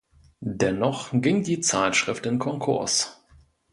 Dennoch ging die Zeitschrift in Konkurs.